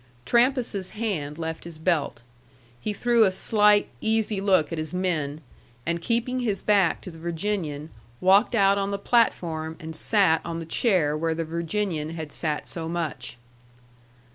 Trampas's hand left his belt. He threw a slight, easy look at his men, and keeping his back to the Virginian, walked out on the platform and sat on the chair where the Virginian had sat so much.